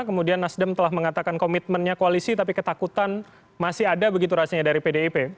kemudian nasdem telah mengatakan komitmennya koalisi tapi ketakutan masih ada begitu rasanya dari pdip